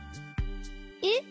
えっ！